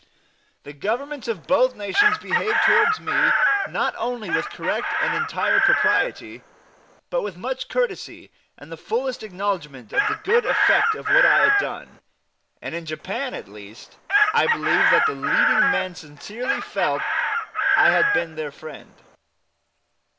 The Governments of both nations behaved toward me not only with correct and entire propriety, but with much courtesy and the fullest acknowledgment of the good effect of what I had done; and in Japan, at least, I believe that the leading men sincerely felt that I had been their friend.